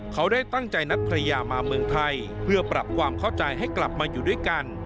เขาได้ตั้งใจนัดภรรยามาเมืองไทยเพื่อปรับความเข้าใจให้กลับมาอยู่ด้วยกัน